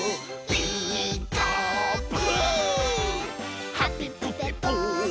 「ピーカーブ！」